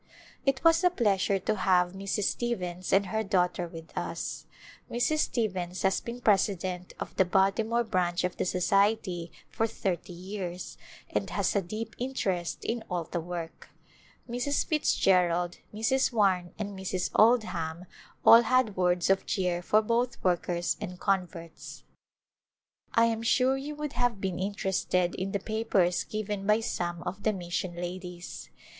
It was a pleasure to have Mrs. Stevens and her daughter with us. Mrs. Stevens has been president of the Baltimore Branch of the Society for thirty years and has a deep interest in all the work. Mrs. Fitz gerald, Mrs. Warne and Mrs. Oldham all had words of cheer for both workers and converts. I am sure you would have been interested in the papers given by some of the mission ladies.